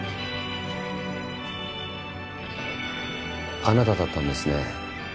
あなただったんですね。